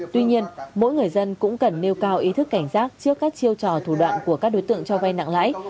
tuy nhiên mỗi người dân cũng cần nêu cao ý thức cảnh giác trước các chiêu trò thủ đoạn của các đối tượng cho vay nặng lãi